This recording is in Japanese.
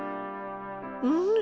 うん！